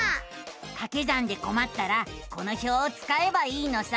かけ算でこまったらこの表をつかえばいいのさ。